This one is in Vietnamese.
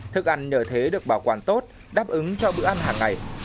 thức ăn nhờ thế được bảo quản tốt đáp ứng cho bữa ăn hàng ngày